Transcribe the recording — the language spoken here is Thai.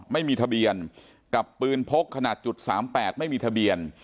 ไม่มีทะเบียนกับปืนพกขนาด๓๘ไม่มีทะเบียน